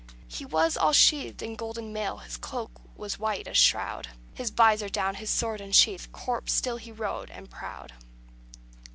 He was all sheathed in golden mail, his cloak was white as shroud: His vizor down, his sword unsheathed, corpse still he rode, and proud."